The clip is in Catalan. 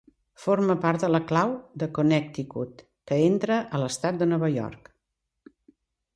Forma part de "la clau" de Connecticut que entra a l'estat de Nova York.